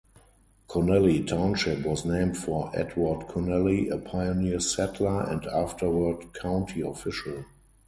Connelly Township was named for Edward Connelly, a pioneer settler and afterward county official.